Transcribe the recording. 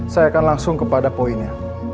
saya akan langsung kepada poinnya